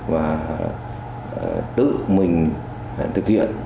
và tự mình thực hiện